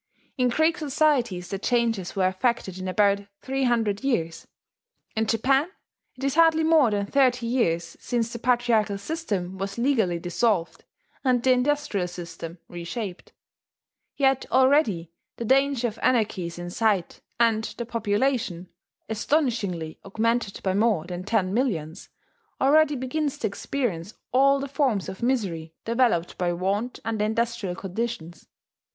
In Greek societies the changes were effected in about three hundred years; in Japan it is hardly more than thirty years since the patriarchal system was legally dissolved and the industrial system reshaped; yet already the danger of anarchy is in sight, and the population astonishingly augmented by more than ten millions already begins to experience all the forms of misery developed by want under industrial conditions.